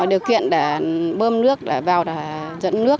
dù đi đâu ai cũng nhớ